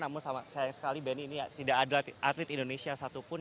namun sayang sekali benny ini tidak ada atlet indonesia satupun